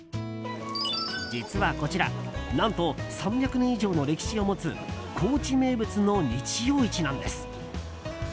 実はこちら何と３００年以上の歴史を持つ高知名物の日曜市なんです。